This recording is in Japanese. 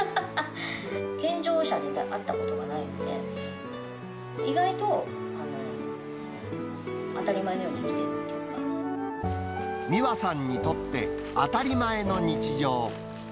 健常者であったことがないので、意外と、当たり前のように生きて美和さんにとって、当たり前の日常。